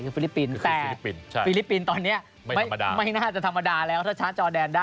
คือฟิลิปปินส์ฟิลิปปินส์ตอนนี้ไม่น่าจะธรรมดาแล้วถ้าช้าจอแดนได้